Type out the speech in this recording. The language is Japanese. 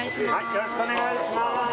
・よろしくお願いします